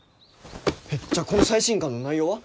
えっじゃあこの最新刊の内容は？